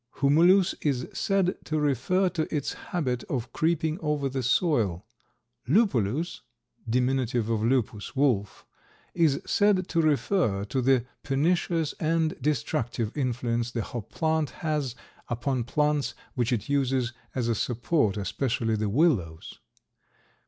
Humulus is said to refer to its habit of creeping over the soil. Lupulus (diminutive of lupus, wolf) is said to refer to the pernicious and destructive influence the hop plant has upon plants which it uses as a support, especially the willows.